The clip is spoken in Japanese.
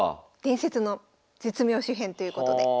「伝説の絶妙手編」ということで。